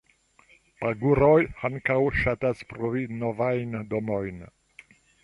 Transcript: Paguroj ankaŭ ŝatas provi novajn domojn.